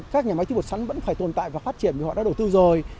các nhà máy chức bột sắn vẫn phải tồn tại và phát triển vì họ đã đầu tư rồi